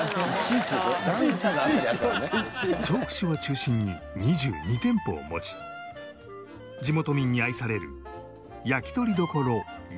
調布市を中心に２２店舗を持ち地元民に愛されるやきとり処い